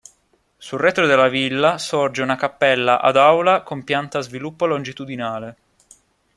Sul retro della villa sorge una cappella ad aula con pianta a sviluppo longitudinale.